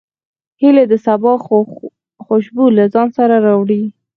هیلۍ د سبا خوشبو له ځان سره راوړي